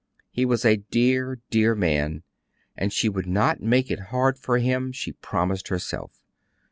He was a dear, dear man, and she would not make it hard for him, she promised herself.